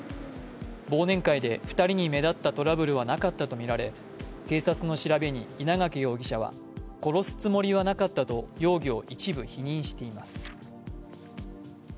忘年会で２人に目立ったトラブルはなかったとみられ警察の調べに稲垣容疑者は殺すつもりはなかったと容疑を一部否認しています。